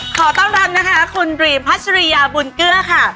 ขอต้อนรับนะคะคุณดรีมพัชริยาบุญเกลือค่ะ